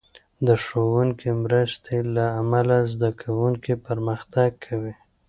د ښوونکې مرستې له امله، زده کوونکي پرمختګ کوي.